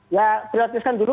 ya prioritas kan dulu